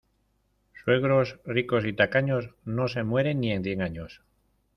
Suegros, ricos y tacaños, no se mueren ni en cien años.